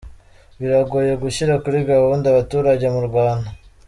Biragoye gushyira kuri gahunda abaturage mu Rwanda.